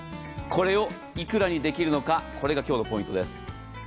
これをいくらにできるのかこれが今日のポイントです。